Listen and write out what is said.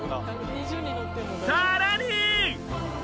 さらに！